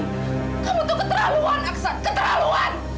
kamu tuh keterhaluan aksan keterhaluan